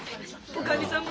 おかみさんも。